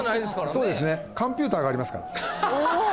そうですね勘ピューターがありますからははははっ